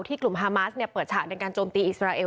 กลุ่มฮามาสเปิดฉากในการโจมตีอิสราเอล